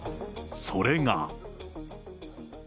それが。